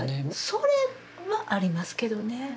それもありますけどね。